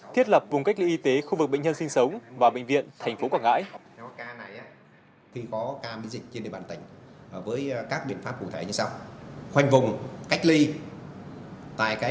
thiết lập vùng cách ly y tế khu vực bệnh nhân sinh sống và bệnh viện thành phố quảng ngãi